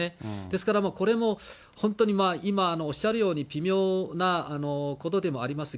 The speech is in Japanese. ですからもうこれも、本当に今おっしゃるように微妙なことでもあります。